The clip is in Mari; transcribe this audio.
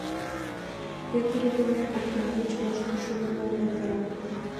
Петырыдыме окна гыч Рошто шӱдыр волгалтара.